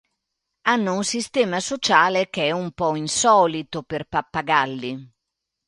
Hanno un sistema sociale che è un po' insolito per pappagalli.